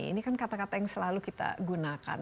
ini kan kata kata yang selalu kita gunakan